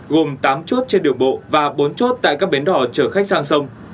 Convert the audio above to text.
gồm tám chốt trên đường bộ và bốn chốt tại các bến đỏ chở khách sang sông